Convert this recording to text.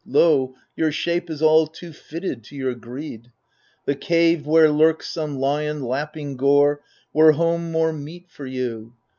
Lo, your shape Is all too fitted to your greed ; the cave Where lurks some lion, lapping gore, were home More meet for you.